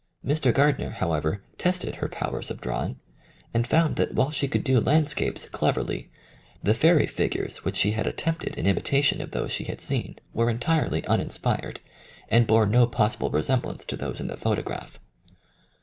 Mr. Gardner, however, tested her powers of drawing, and found that, while she could do landscapes cleverly, the fairy figures which she had attempted in imitation of those she had seen were entirely uninspired, and bore no possible resemblance to those in the photograph.